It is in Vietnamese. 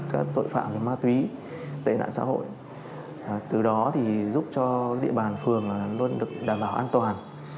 các tội phạm về ma túy tệ nạn xã hội từ đó thì giúp cho địa bàn phường luôn được đảm bảo an toàn